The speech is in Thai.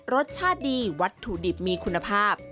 รสชาติดีวัตถุดิบมีคุณภาพ